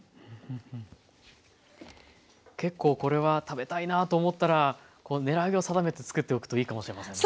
結構これは食べたいなと思ったらこう狙いを定めて作っておくといいかもしれませんね。